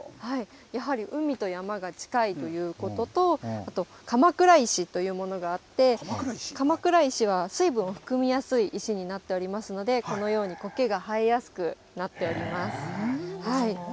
ただ、ここ鎌倉が美しい理由といやはり海と山が近いということと、あと、鎌倉石というものがあって、鎌倉石は水分を含みやすい石になっておりますので、このようにコケが生えやすくなっております。